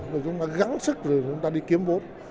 rồi chúng ta gắn sức rồi chúng ta đi kiếm vốn